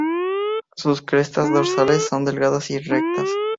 Sus crestas dorsales son delgadas y rectas.